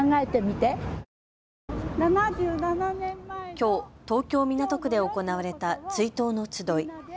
きょう東京港区で行われた追悼の集い。